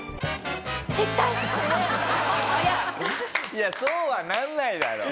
いやそうはならないだろ。